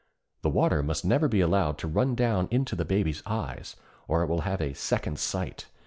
The water must never be allowed to run down into the baby's eyes, or it will have 'second sight.'